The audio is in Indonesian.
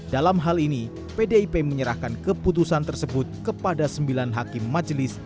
dalam hal ini pdip menyerahkan keputusan tersebut kepada sembilan hakim majelis